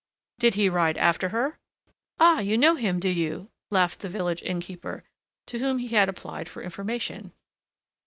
"Did he ride after her?" "Ah! you know him, do you?" laughed the village innkeeper, to whom he had applied for information.